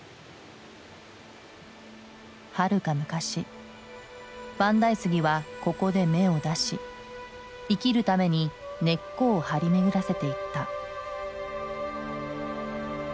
はるか昔万代杉はここで芽を出し生きるために根っこを張り巡らせていった。